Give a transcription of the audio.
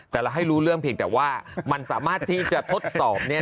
แต่เราให้รู้เรื่องเพียงแต่ว่ามันสามารถที่จะทดสอบเนี่ย